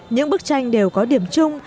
những bức tranh đều có điểm chung